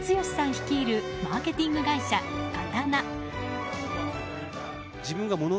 率いるマーケティング会社、刀。